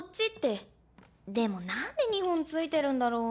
でもなんで２本ついてるんだろう。